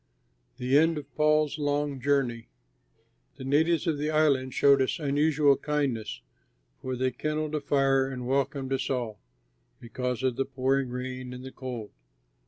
THE END OF PAUL'S LONG JOURNEY The natives of the island showed us unusual kindness, for they kindled a fire and welcomed us all, because of the pouring rain and the cold.